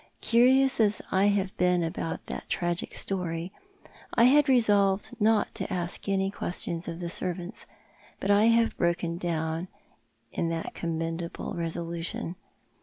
Curious as I have been about that tragic story, I had resolved not to ask any questions of the servants, but I have broken down in that commendable resolution.